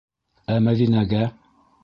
Ә Мәҙинәгә?